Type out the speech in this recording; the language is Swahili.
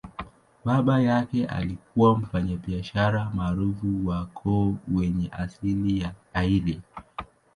Baba yake alikuwa mfanyabiashara maarufu wa ukoo wenye asili ya Eire.